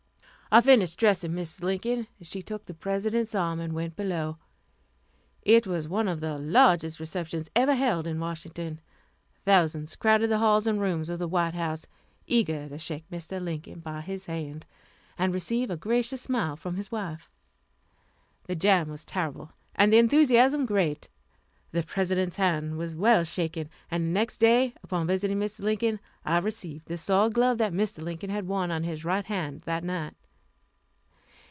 I finished dressing Mrs. Lincoln, and she took the President's arm and went below. It was one of the largest receptions ever held in Washington. Thousands crowded the halls and rooms of the White House, eager to shake Mr. Lincoln by his hand, and receive a gracious smile from his wife. The jam was terrible, and the enthusiasm great. The President's hand was well shaken, and the next day, on visiting Mrs. Lincoln, I received the soiled glove that Mr. Lincoln had worn on his right hand that night.